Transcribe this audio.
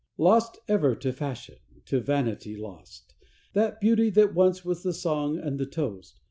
Lost ever to fashion to vanity lost, That beauty that once was the song and the toast.